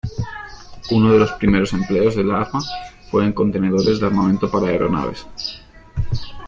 Uno de los primeros empleos del arma fue en contenedores de armamento para aeronaves.